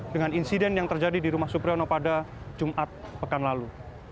dengan insiden yang terjadi di rumah supriyono pada jumat pekan lalu